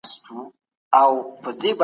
هغوی په مراقبه کولو بوخت دي.